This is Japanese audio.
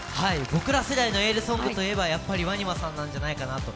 僕ら世代のエールソングといえばやっぱりＷＡＮＩＭＡさんじゃないかなと。